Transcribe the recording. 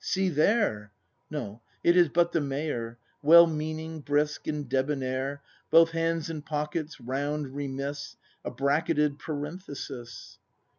See there ! No, it is but the Mayor, Well meaning, brisk, and debonnaire, Both hands in pockets, round, remiss, A bracketed parenthesis.